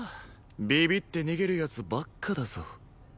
ビビって逃げる奴ばっかだぞ。